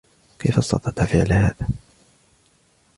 كيف استطعت فعل هذا؟